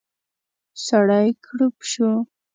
سړی کړپ شو.